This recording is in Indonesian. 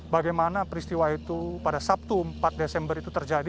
bagaimana peristiwa itu pada sabtu empat desember itu terjadi